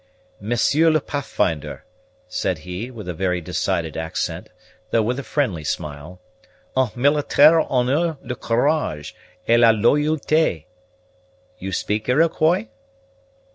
"Monsieur le Pathfinder," said he, with a very decided accent, though with a friendly smile, "un militaire honor le courage, et la loyaute. You speak Iroquois?"